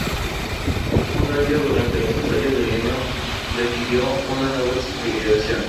Un rayo durante los ensayos del himno requirió una nueva expiación.